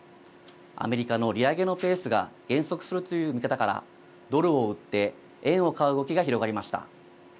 アメリカの利上げのペースが減速するという見方からドルを売って円を買う動きが広がりました。